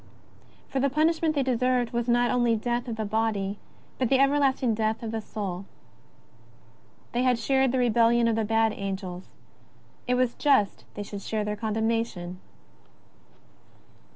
Eor the punishment they deserved was not only the death of the body but the everlasting death of the soul. They had shared the rebellion of the bad angels; it was just they should share their condemnation.